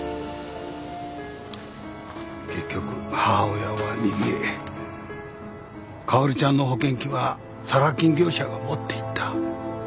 結局母親は逃げかおりちゃんの保険金はサラ金業者が持っていった。